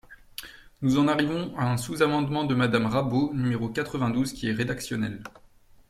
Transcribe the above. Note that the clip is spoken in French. Nous en arrivons à un sous-amendement de Madame Rabault, numéro quatre-vingt-douze, qui est rédactionnel.